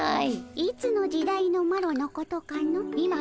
いつの時代のマロのことかの？